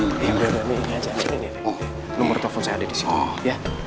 nomor telepon saya ada disitu